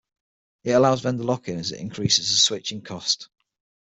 It allows vendor lock-in as it increases the switching cost.